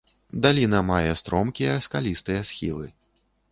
Даліна мае стромкія, скалістыя схілы.